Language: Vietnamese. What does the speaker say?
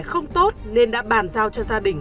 không tốt nên đã bàn giao cho gia đình